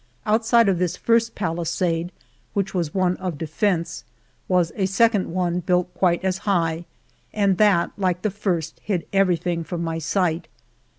Out side of this first palisade, which was one of de fence, was a second one built quite as high, and that, like the first, hid everything from my sight.